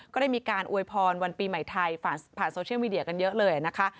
ก็ได้มีการอวยพรวันปีใหม่ไทยผ่านโซเชียลมีเดียกันเยอะเลยนะคะ